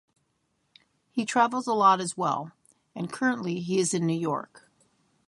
He travels a lot as well, and currently, he is in New York.